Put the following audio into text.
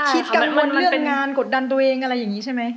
คิดกังวลเรื่องงานกดดันตัวเองอะไรอย่างนี้ใช่ไหม